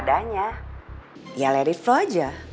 padahalnya ya let it flow aja